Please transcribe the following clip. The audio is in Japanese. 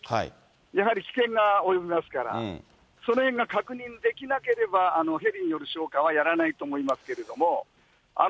やはり危険が及びますから、そのへんが確認できなければ、ヘリによる消火はやらないと思いますけれども。